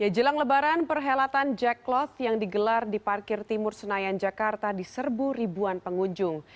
jelang lebaran perhelatan jack cloth yang digelar di parkir timur senayan jakarta diserbu ribuan pengunjung